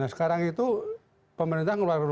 nah sekarang itu pemerintah keluar berlutut